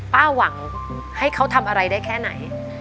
หวังให้เขาทำอะไรได้แค่ไหน